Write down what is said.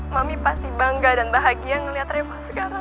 mami pasti bangga dan bahagia melihat reva sekarang